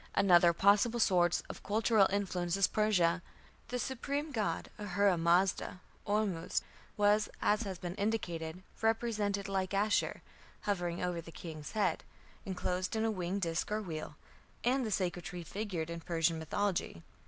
Another possible source of cultural influence is Persia. The supreme god Ahura Mazda (Ormuzd) was, as has been indicated, represented, like Ashur, hovering over the king's head, enclosed in a winged disk or wheel, and the sacred tree figured in Persian mythology.